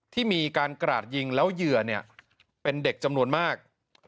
ที่มีการกราดยิงแล้วเหยื่อเป็นเด็กจำนวนมาก